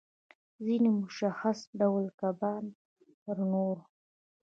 ځینې مشخص ډول کبان تر نورو